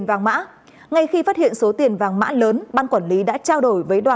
ở nhiều chỗ